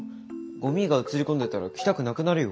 ゴミが映り込んでたら来たくなくなるよ。